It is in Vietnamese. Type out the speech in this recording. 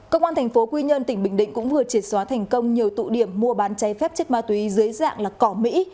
công an thành phố quy nhơn tỉnh bình định cũng vừa triệt xóa thành công nhiều tụ điểm mua bán cháy phép chất ma túy dưới dạng là cỏ mỹ